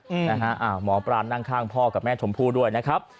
นะฮะอ่าหมอปลานั่งข้างพ่อกับแม่ชมพู่ด้วยนะครับ